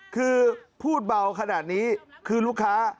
คือพูดเบาขนาดนี้คือลูกค้า